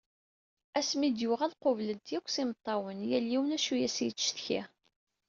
Asmi I d-yuγal, qublen-t yakk s imeṭṭawen, yal yiwen acu i as-yettcetki.